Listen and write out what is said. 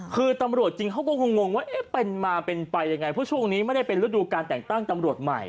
คือตำรวจจริงเขาก็คงงว่าเอ๊ะเป็นมาเป็นไปยังไงเพราะช่วงนี้ไม่ได้เป็นฤดูการแต่งตั้งตำรวจใหม่